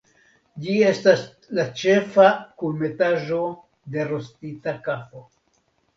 Ĝi estas la ĉefa kunmetaĵo de rostita kafo.